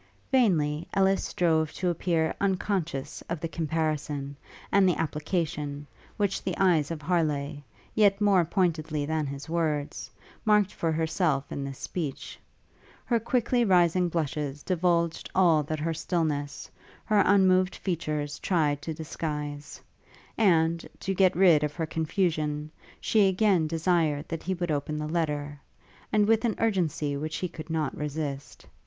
Vainly Ellis strove to appear unconscious of the comparison, and the application, which the eyes of Harleigh, yet more pointedly than his words, marked for herself in this speech: her quickly rising blushes divulged all that her stillness, her unmoved features tried to disguise; and, to get rid of her confusion, she again desired that he would open the letter, and with an urgency which he could not resist.